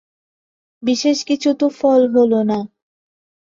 বিশেষ কিছু তো ফল হল না।